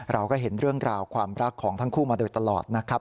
เราก็เห็นเรื่องราวความรักของทั้งคู่มาโดยตลอดนะครับ